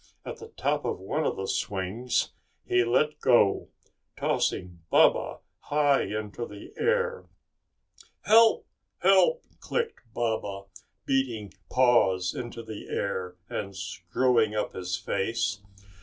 At the top of one of the swings he let go, tossing Baba high into the air. "Help! Help!" clicked Baba, beating paws into the air, and screwing up his face.